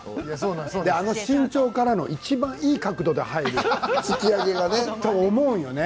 あの身長からのいちばんいい角度で入ると思うよね。